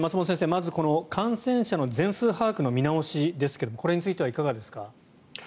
まずこの感染者の全数把握の見直しについてですがこれについてはいかがですか。